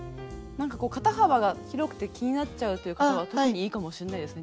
肩幅が広くて気になっちゃうという方は特にいいかもしれないですね。